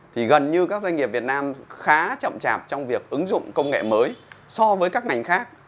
thì gần như các doanh nghiệp việt nam khá chậm chạp trong việc ứng dụng công nghệ mới so với các ngành khác